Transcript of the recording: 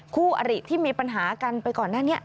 คู่อริที่มีปัญหากันไปก่อนหน้านี้